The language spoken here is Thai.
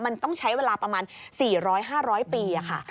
มันต้องใช้เวลาประมาณ๔๐๐๕๐๐ปีค่ะ